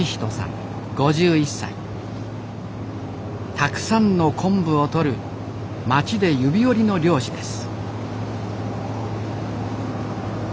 たくさんの昆布をとる町で指折りの漁師です。